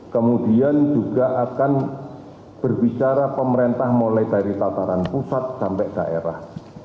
kemudian juga akan berbicara pemerintah mulai dari tataran pusat sampai daerah